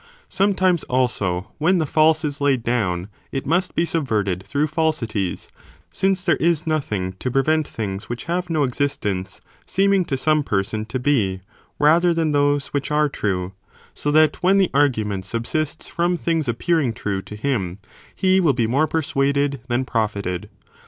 * Sometimes, also, when the false is laid down, it must be subverted through falsities, since there is nothing to prevent things which have no exist ence, seeming to some person to be, rather than those which are true, so that when the argument subsists from things appear ing (true) to him, he will be more persuaded than profited.